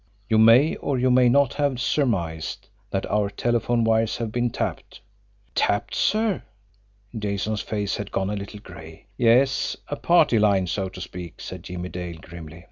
You may, or you may not have surmised that our telephone wires have been tapped." "Tapped, sir!" Jason's face had gone a little gray. "Yes; a party line, so to speak," said Jimmie Dale grimly.